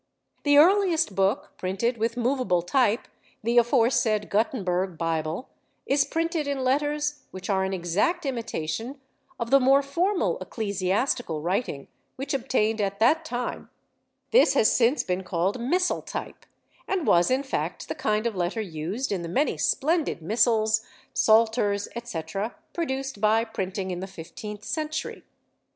The earliest book printed with movable type, the aforesaid Gutenberg Bible, is printed in letters which are an exact imitation of the more formal ecclesiastical writing which obtained at that time; this has since been called "missal type," and was in fact the kind of letter used in the many splendid missals, psalters, etc., produced by printing in the fifteenth century.